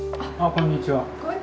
こんにちは。